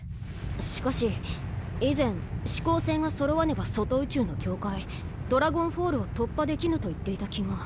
しかし以前「四煌星がそろわねば外宇宙の境界ドラゴンフォールを突破できぬ」と言っていた気が。